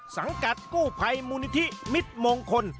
สังกัดกู้ภัยมูลนิธิมิตรมงคล